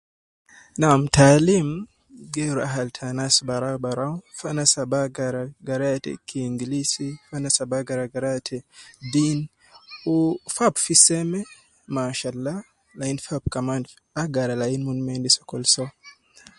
Nam taalim geeru ahal te anas barau barau, fi anas ab agara garaya te kinglisi, fi anas ab agara garaya te deen, wu fi ab fi seme mashallah, lain fi ab kaman agara lain mon ma endi sokol soo